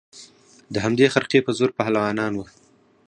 د همدې خرقې په زور پهلوانان وه